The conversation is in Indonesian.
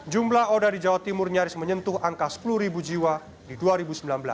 jumlah oda di jawa timur nyaris menyentuh angka sepuluh jiwa di dua ribu sembilan belas